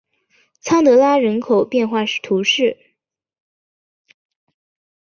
桑德拉人口变化图示